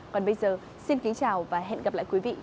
còn bây giờ xin kính chào và hẹn gặp lại quý vị